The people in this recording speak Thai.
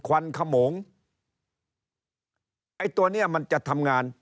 ควันขมงตัวนี้มันจะทำงาน